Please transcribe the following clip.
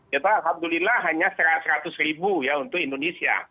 ya pak alhamdulillah hanya seratus ribu ya untuk indonesia